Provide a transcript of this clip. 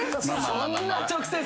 そんな直接的に。